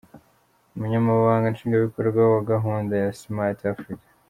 Umunyamabanga nshingwabikorwa wa gahunda ya Simati Afurika,